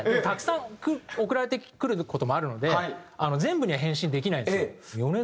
たくさん送られてくる事もあるので全部には返信できないんですよ。